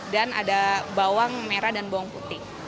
dan ada bawang merah dan bawang putih